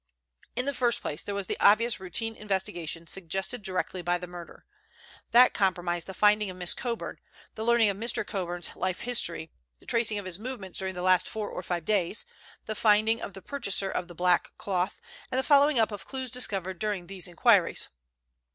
In the first place, there was the obvious routine investigation suggested directly by the murder. That comprised the finding of Miss Coburn, the learning of Mr. Coburn's life history, the tracing of his movements during the last four or five days, the finding of the purchaser of the black cloth, and the following up of clues discovered during these inquiries.